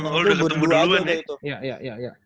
oh udah ketemu dulu ya